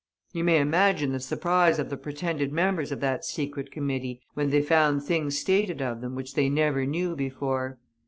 You may imagine the surprise of the pretended members of that Secret Committee when they found things stated of them which they never knew before.